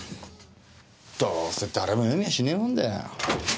どうせ誰も読みやしねえ本だよ。